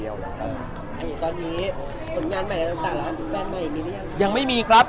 ยังไม่มีครับ